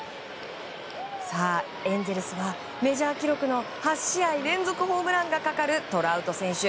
エンゼルスは、メジャー記録の８試合連続ホームランがかかるトラウト選手。